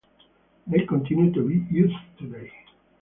They continue to be used today.